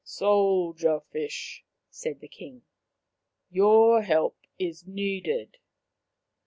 " Soldier fish !" said the king, " your help is needed.